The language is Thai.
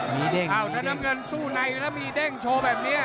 ถ้าน้ำเงินสู้ในถ้ามีเด้งโชว์แบบเนี้ย